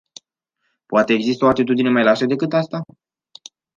Poate exista o atitudine mai lașă decât aceasta?